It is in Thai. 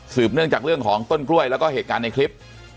เนื่องจากเรื่องของต้นกล้วยแล้วก็เหตุการณ์ในคลิป